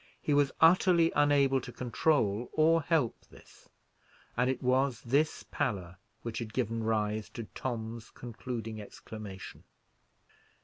He was utterly unable to control or help this, and it was this pallor which had given rise to Tom's concluding exclamation.